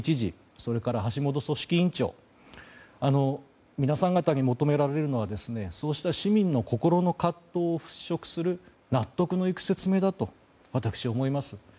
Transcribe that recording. それから橋本組織委員長皆さん方に求められるのはそうした市民の心の葛藤を払拭する納得のいく説明だと私、思います。